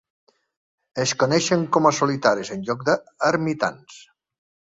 Es coneixen com a "solitaris" en lloc de "ermitans".